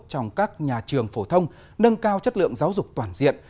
trong các nhà trường phổ thông nâng cao chất lượng giáo dục toàn diện